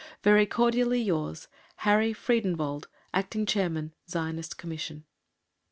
Very cordially yours, (Signed) HARRY FRIEDENWALD, Acting Chairman, Zionist Commission.